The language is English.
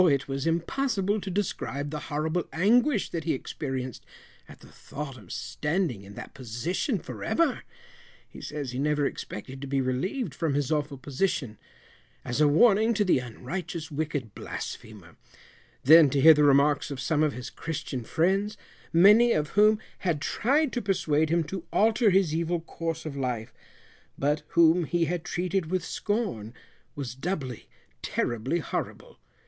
it was impossible to describe the horrible anguish that he experienced at the thought of standing in that position for ever (he says he never expected to be relieved from his awful position), as a warning to the unrighteous wicked blasphemer; then to hear the remarks of some of his Christian friends, many of whom had tried to persuade him to alter his evil course of life, but whom he had treated with scorn, was doubly terribly horrible.